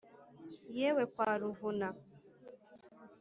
yewe kwa ruvuna